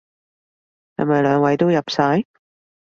係咪兩位都入晒？